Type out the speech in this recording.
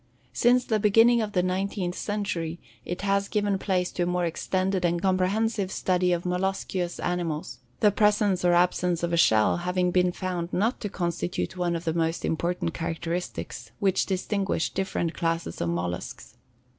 Since the beginning of the nineteenth century it has given place to a more extended and comprehensive study of molluscous animals, the presence or absence of a shell having been found not to constitute one of the most important characteristics which distinguish different classes of mollusks.